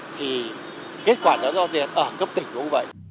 thì kết quả nó do việc ở cấp tỉnh cũng vậy